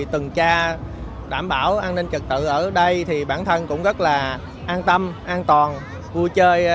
từng tra đảm bảo an ninh trật tự ở đây thì bản thân cũng rất là an tâm an toàn vui chơi